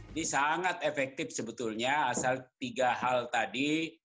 ini sangat efektif sebetulnya asal tiga hal tadi